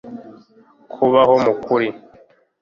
kubaho mu kuri